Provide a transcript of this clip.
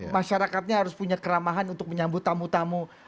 masyarakatnya harus punya keramahan untuk menyambut tamu tamu